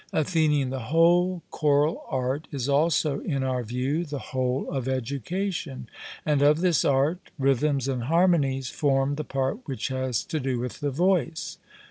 ATHENIAN: The whole choral art is also in our view the whole of education; and of this art, rhythms and harmonies form the part which has to do with the voice.